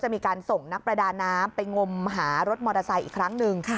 มีการส่งนักประดาน้ำไปงมหารถมอเตอร์ไซค์อีกครั้งหนึ่ง